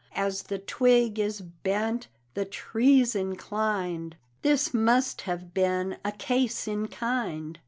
"As the twig is bent the tree's inclined;" This must have been a case in kind.